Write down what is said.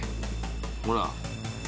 ほら。